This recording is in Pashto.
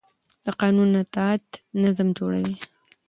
د قانون اطاعت نظم جوړوي